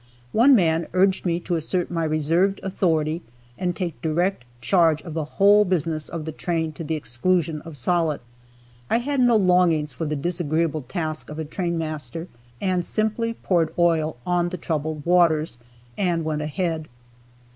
One man urged me to assert my reserved authority and take direct charge of the whole business of the train to the exclusion of Sollitt. I had no longings for the disagreeable task of a train master, and simply poured oil on the troubled waters, and went ahead.